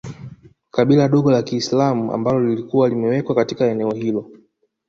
Kabila dogo la kiislamu ambalo lilikuwa limewekwa katika eneo hilo